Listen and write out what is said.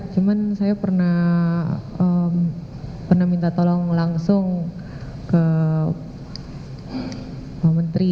cuma saya pernah minta tolong langsung ke pak menteri